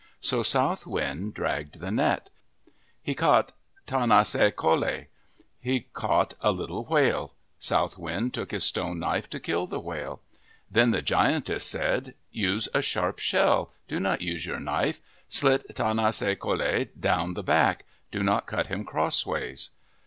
So South Wind dragged the net. He caught tanas eh ko le. He caught a little whale. South Wind took his stone knife to kill the whale. Then the giantess said, " Use a sharp shell. Do not use your knife. Slit tanas eh ko le down the back. Do not cut him crossways."